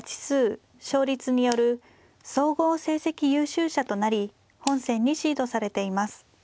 勝率による総合成績優秀者となり本戦にシードされています。